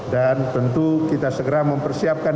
dan tentu saja kita akan mencari atlet atlet yang berpengaruh